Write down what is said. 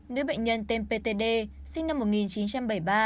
nữ bệnh nhân tên ptd sinh năm một nghìn chín trăm bảy mươi ba